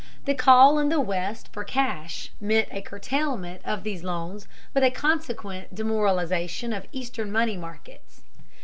The call in the West for cash meant a curtailment of these loans with a consequent demoralization of eastern money markets.